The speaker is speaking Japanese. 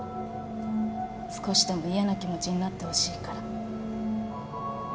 少しでも嫌な気持ちになってほしいから。